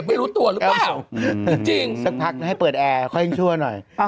สักพักให้เปิดแอร์ค่อยชั่วหน่อย